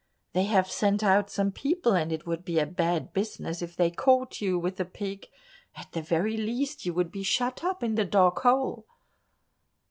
They have sent out some people and it would be a bad business if they caught you with the pig; at the very least, you would be shut up in the dark hole."